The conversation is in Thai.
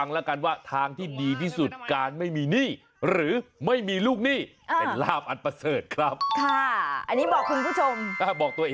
นี่ก็ต้องชดใช้ก็ว่ากันไปนะคะ